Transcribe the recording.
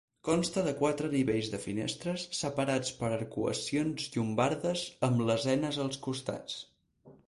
Consta de quatre nivells de finestres separats per arcuacions llombardes amb lesenes als costats.